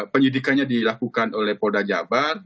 penyelidikannya dilakukan oleh poda jabar